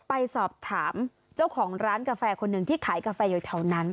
ไปสอบถามเจ้าของร้านกาแฟคนหนึ่งที่ขายกาแฟอยู่แถวนั้น